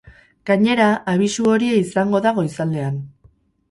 Gainera, abisu horia izango da goizaldean.